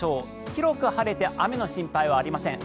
広く晴れて雨の心配はありません。